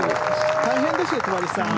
大変ですよ、戸張さん。